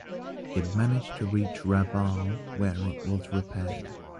It managed to reach Rabaul, where it was repaired.